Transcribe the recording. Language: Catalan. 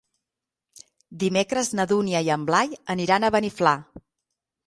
Dimecres na Dúnia i en Blai aniran a Beniflà.